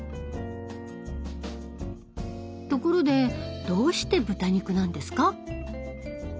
ところでどうして豚肉なんですか？